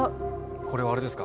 これはあれですか？